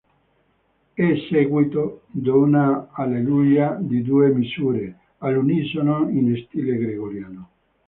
È seguito da un Alleluia di due misure, all’unisono, in stile gregoriano.